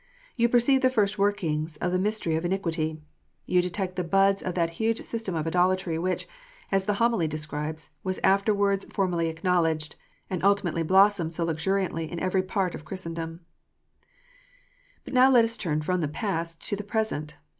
You perceive the first workings of the mystery of iniquity. You detect the buds of that huge system of idolatry which, as the Homily describes, was afterwards formally acknowledged, and ultimately blossomed so luxuriantly in every part of Christen dom. But let us now turn from the past to the present.